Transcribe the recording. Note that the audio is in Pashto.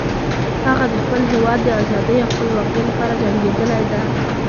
هغه د خپل هیواد د آزادۍ او خپلواکۍ لپاره جنګیدلی ده